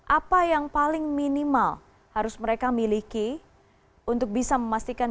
apa yang paling minimal harus mereka miliki untuk bisa memastikan